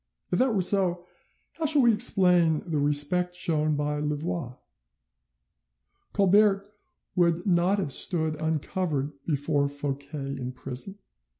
If that were so, how shall we explain the respect shown by Louvois? Colbert would not have stood uncovered before Fouquet in prison.